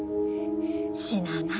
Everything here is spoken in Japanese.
死なない。